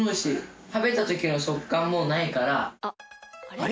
あれ？